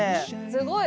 すごい！